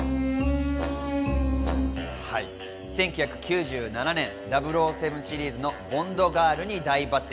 １９９７年、『００７』シリーズのボンドガールに大抜擢。